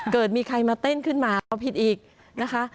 เกิดมีใครมาเต้นขึ้นมาเอาผิดอีกนะคะ